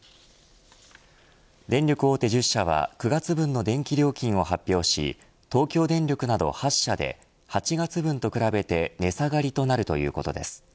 電力大手１０社は９月分の電気料金を発表し東京電力など８社で８月分と比べて値下がりとなるということです。